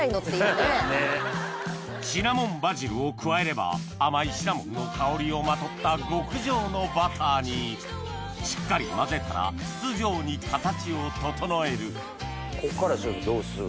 シナモンバジルを加えれば甘いシナモンの香りをまとった極上のバターにしっかり混ぜたらこっからシェフどうする？